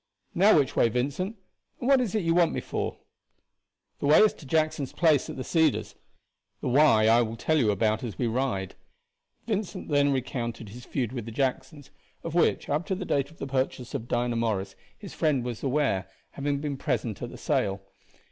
"Now which way, Vincent? and what is it you want me for?" "The way is to Jackson's place at the Cedars, the why I will tell you about as we ride." Vincent then recounted his feud with the Jacksons, of which, up to the date of the purchase of Dinah Morris, his friend was aware, having been present at the sale.